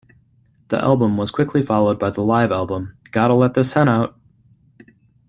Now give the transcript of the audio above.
The album was quickly followed by the live album, Gotta Let This Hen Out!